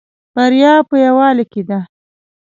بریا په یوالی کې ده